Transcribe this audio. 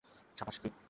সাবাশ, ফিব!